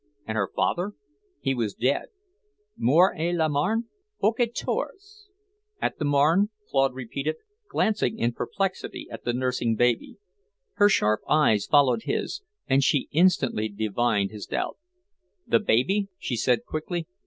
And her father? He was dead; "mort à la Marne, en quatorze." "At the Marne?" Claude repeated, glancing in perplexity at the nursing baby. Her sharp eyes followed his, and she instantly divined his doubt. "The baby?" she said quickly.